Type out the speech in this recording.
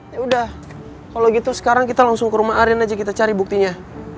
yaudah kalo gitu sekarang kita langsung ke rumah arin aja kita cari buktinya